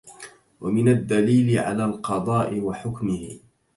وَمِنَ الدَليلِ عَلى القَضاءِ وَحُكمِهِ